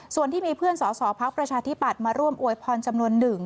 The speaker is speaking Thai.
ส่วนที่มีเพื่อนสอสอพักประชาธิปัตย์มาร่วมอวยพรจำนวนหนึ่ง